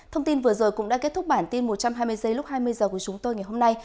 thông tin vừa rồi cũng đã kết thúc bản tin một trăm hai mươi giây lúc hai mươi h của chúng tôi ngày hôm nay